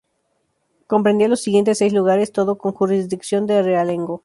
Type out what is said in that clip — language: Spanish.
Comprendía los siguientes seis lugares, todos con jurisdicción de realengo.